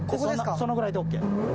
そのぐらいでＯＫ。